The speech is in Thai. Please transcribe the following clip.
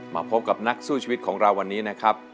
มาพบกับนักสู้ชีวิตของเราวันนี้นะครับ